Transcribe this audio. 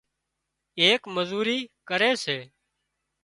ايڪ مزوري ڪري سي